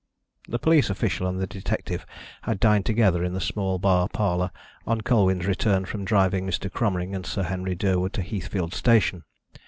The police official and the detective had dined together in the small bar parlour on Colwyn's return from driving Mr. Cromering and Sir Henry Durwood to Heathfield Station.